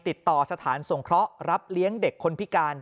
ติดต่อสถานสงเคราะห์รับเลี้ยงเด็กคนพิการ